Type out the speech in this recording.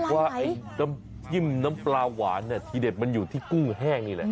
ว่าไอ้น้ำจิ้มน้ำปลาหวานทีเด็ดมันอยู่ที่กุ้งแห้งนี่แหละ